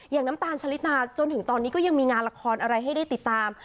น้ำตาลชะลิตาจนถึงตอนนี้ก็ยังมีงานละครอะไรให้ได้ติดตาม